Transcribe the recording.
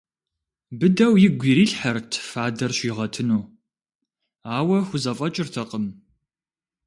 Быдэу игу ирилъхьэрт фадэр щигъэтыну, ауэ хузэфӏэкӏыртэкъым.